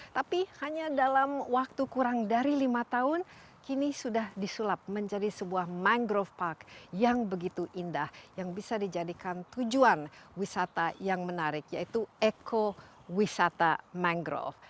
tapi hanya dalam waktu kurang dari lima tahun kini sudah disulap menjadi sebuah mangrove park yang begitu indah yang bisa dijadikan tujuan wisata yang menarik yaitu ekowisata mangrove